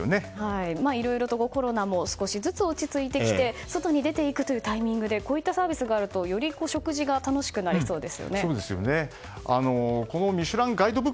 いろいろとコロナも少しずつ落ち着いてきて外に出て行くというタイミングでこういったサービスがあるとより食事が楽しくなりそうですよね。